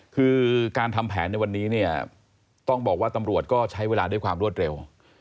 คือการทำแผนในวันนี้เนี่ยต้องบอกว่าตำรวจก็ใช้เวลาด้วยความรวดเร็ว